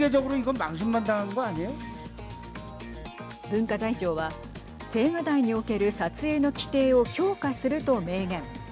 文化財庁は青瓦台における撮影の規定を強化すると明言。